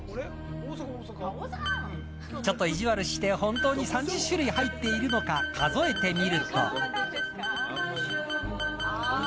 ちょっと意地悪して、ほんとに３０種類入ってるのか数えてみると。